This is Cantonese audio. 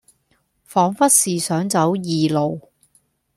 仿佛是想走異路，